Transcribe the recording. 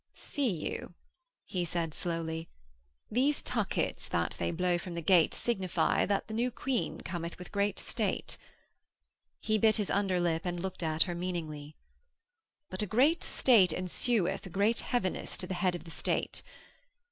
'See you,' he said slowly, 'these tuckets that they blow from the gate signify that the new Queen cometh with a great state.' He bit his under lip and looked at her meaningly. 'But a great state ensueth a great heaviness to the head of the State.